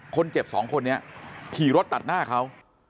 คนเจ็บสองคนนี้ขี่รถตัดหน้าเขา